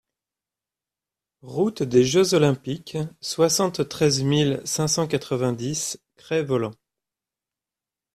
Route des Jeux Olympiques, soixante-treize mille cinq cent quatre-vingt-dix Crest-Voland